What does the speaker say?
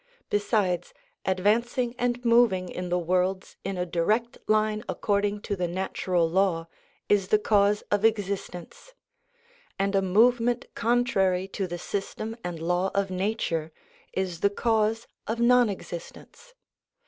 Besides, advancing and moving in the worlds in a direct line according to the natural law, is the cause of existence; and a movement contrary to the system and law of nature is the cause of non existence.